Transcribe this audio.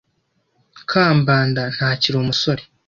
Kambanda ntakiri umusore.